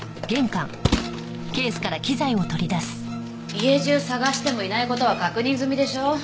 家中捜してもいない事は確認済みでしょう。